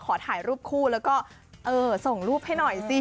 ขอถ่ายรูปคู่แล้วก็ส่งรูปให้หน่อยสิ